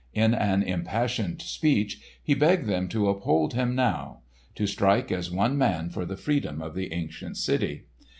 In an impassioned speech he begged them to uphold him now; to strike as one man for the freedom of the ancient city.